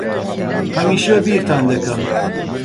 ھەمیشە بیرتان دەکەم.